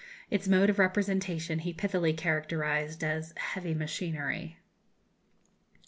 Its mode of representation he pithily characterized as "heavy machinery."